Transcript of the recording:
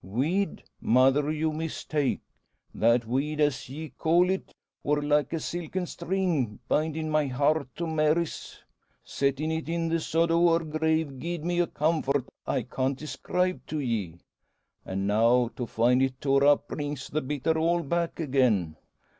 "Weed! Mother, you mistake. That weed, as ye call it, wor like a silken string, bindin' my heart to Mary's. Settin' it in the sod o' her grave gied me a comfort I can't describe to ye. An' now to find it tore up brings the bitter all back again.